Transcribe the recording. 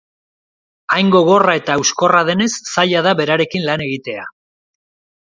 Hain gogorra eta hauskorra denez, zaila da berarekin lan egitea.